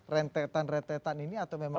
rentetan rentetan ini atau memang